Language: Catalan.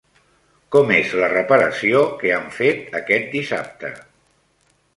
Com és la reparació que han fet aquest dissabte?